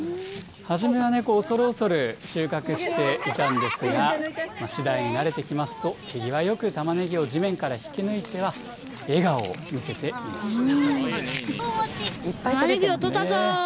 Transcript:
はじめはね、恐る恐る収穫していたんですが、次第に慣れてきますと、手際よくタマネギを地面から引き抜いては、笑顔を見せていました。